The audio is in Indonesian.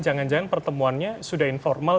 jangan jangan pertemuannya sudah informal